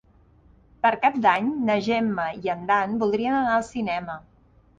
Per Cap d'Any na Gemma i en Dan voldria anar al cinema.